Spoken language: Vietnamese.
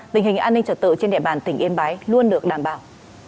tình hình an ninh trật tự trên địa bàn tỉnh yên bái luôn được đảm bảo